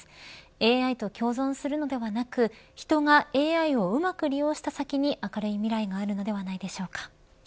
ＡＩと共存するのではなく人がＡＩをうまく利用した先に明るい未来があるのではないでしょうか。